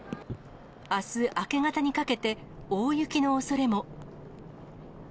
あす明け方にかけて大雪のおそれも。